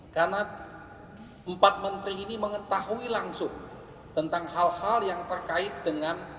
karena empat menteri ini mengetahui langsung tentang hal hal yang terkait dengan